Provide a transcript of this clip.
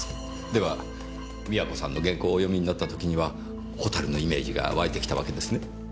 では美和子さんの原稿をお読みになった時にはホタルのイメージがわいてきたわけですね？